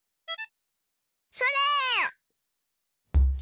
それ！